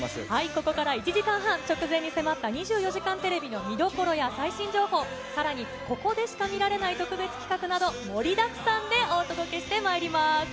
ここから１時間半、直前に迫った２４時間テレビの見どころや最新情報、さらに、ここでしか見られない特別企画など、盛りだくさんでお届けしてまいります。